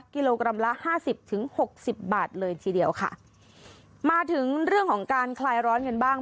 กิโลกรัมละห้าสิบถึงหกสิบบาทเลยทีเดียวค่ะมาถึงเรื่องของการคลายร้อนกันบ้าง